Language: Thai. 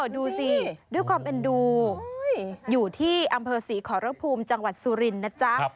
ดูสิด้วยความเอ็นดูอยู่ที่อำเภอศรีขอรภูมิจังหวัดสุรินทร์นะจ๊ะ